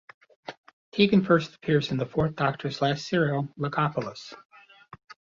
Tegan first appears in the Fourth Doctor's last serial, "Logopolis".